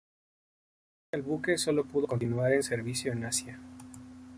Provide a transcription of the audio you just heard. En consecuencia, el buque sólo pudo continuar en servicio en Asia.